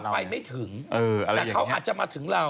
ไปไม่ถึงแต่เขาอาจจะมาถึงเรา